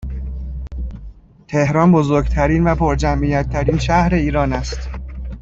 تهران بزرگترین و پرجمعیت ترین شهر ایران است